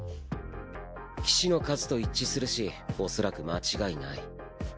騎士の数と一致するしおそらく間違いない。